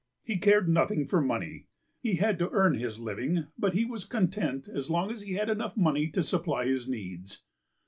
He cared nothing for money. He had to earn his living, but he was content as long as he had enough money to supply his needs.